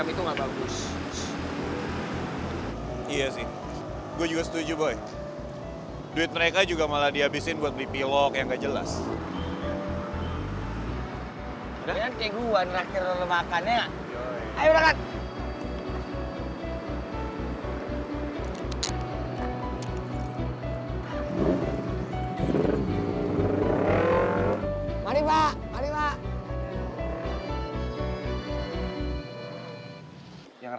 ini cium harum enak kan